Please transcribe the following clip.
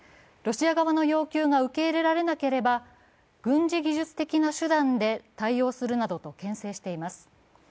ロシア側の要求が受け入れられなければ軍事技術的な手段で対応するなどとけん制しています。